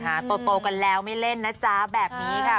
โตกันแล้วไม่เล่นนะจ๊ะแบบนี้ค่ะ